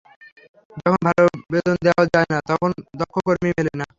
যখন ভালো বেতন দেওয়া যায় না, তখন দক্ষ কর্মী মেলে না।